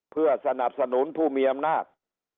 เพื่อสนับสนุนผู้มีอำนาจ